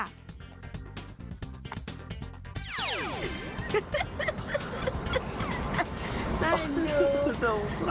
น่าหินดู